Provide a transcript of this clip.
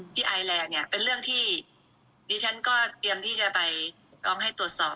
มันฟังไม่ขึ้นทุกเหตุผลนะครับ